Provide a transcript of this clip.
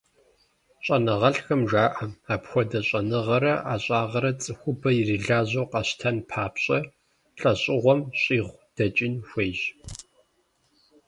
Щӏэныгъэлӏхэм жаӏэ: апхуэдэ щӏэныгъэрэ ӏэщӏагъэрэ цӏыхубэр ирилажьэу къащтэн папщӏэ, лӏэщӏыгъуэм щӏигъу дэкӏын хуейщ.